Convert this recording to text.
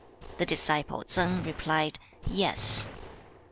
The disciple Tsang replied, 'Yes.'